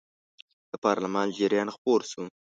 د پارلمان جریان خپور شو.